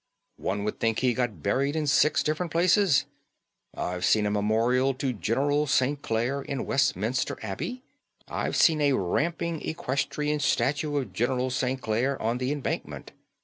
One would think he got buried in six different places. I've seen a memorial to General St. Clare in Westminster Abbey. I've seen a ramping equestrian statue of General St. Clare on the Embankment.